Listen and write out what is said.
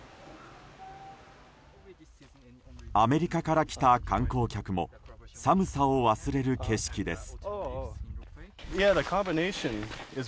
アメリカから来た観光客も寒さを忘れる景色です。